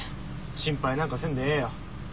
心配なんかせんでええよ。